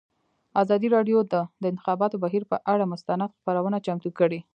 ازادي راډیو د د انتخاباتو بهیر پر اړه مستند خپرونه چمتو کړې.